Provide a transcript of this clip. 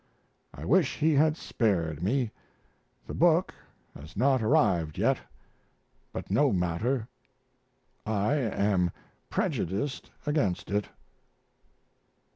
I wish he had spared me. The book has not arrived yet; but no matter, I am prejudiced against it.